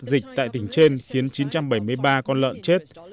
dịch tại tỉnh trên khiến chín trăm bảy mươi ba con lợn chết